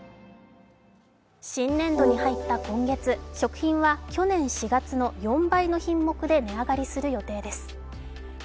新年度に入った今月、食品は去年４月の４倍の品目で値上がりする予定です。